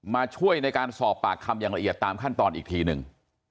มาช่วยในการสอบปากคำอย่างละเอียดตามขั้นตอนอีกทีหนึ่ง